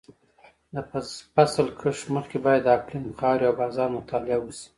د فصل کښت مخکې باید د اقلیم، خاورې او بازار مطالعه وشي.